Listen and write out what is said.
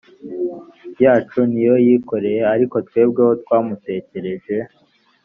yacu ni yo yikoreye ariko twebweho twamutekereje